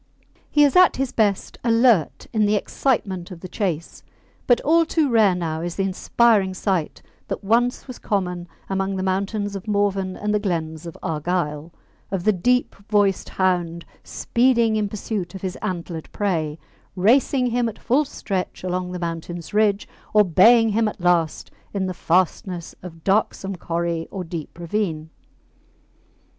He is at his best alert in the excitement of the chase; but all too rare now is the inspiring sight that once was common among the mountains of Morven and the glens of Argyll of the deep voiced hound speeding in pursuit of his antlered prey, racing him at full stretch along the mountain's ridge, or baying him at last in the fastness of darksome corrie or deep ravine.